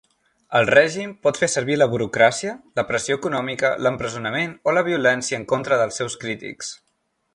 El règim pot fer servir la burocràcia, la pressió econòmica, l'empresonament o la violència en contra dels seus crítics.